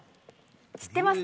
知ってますか？